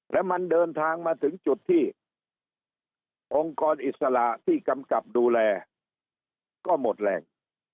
แล้วมันเดินทางมาถึงจุดที่องค์กรอิสระที่กำกับดูแลก็หมดแรง